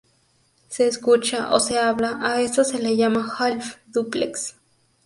Se escucha, o se habla, a esto se le llama "half-dúplex".